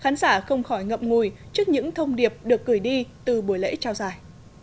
khán giả không khỏi ngậm ngùi trước những thông điệp được gửi đi từ buổi lễ trao giải